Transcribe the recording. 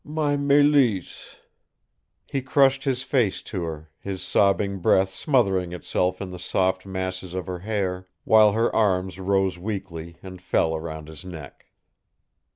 "My Mélisse!" He crushed his face to her, his sobbing breath smothering itself in the soft masses of her hair, while her arms rose weakly and fell around his neck.